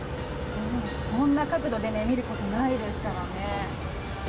こんな角度で見ることないですからね。